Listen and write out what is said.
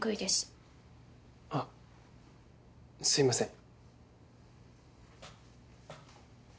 あすいません。